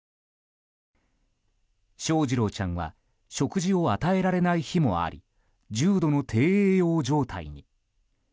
翔士郎ちゃんは食事を与えられない日もあり重度の低栄養状態に。